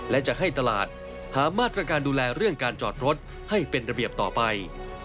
และจะให้ตลาดหามาตรการดูแลเรื่องการจอดรถให้เป็นระเบียบต่อไป